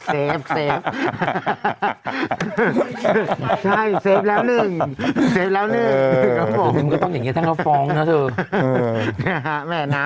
แหม่น้ำเช็คเมื่อเบืองฮะฮะฮะฮะ